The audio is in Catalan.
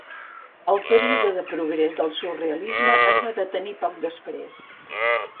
El període de progrés del surrealisme es va detenir poc després